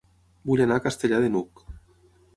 Vull anar a Castellar de n'Hug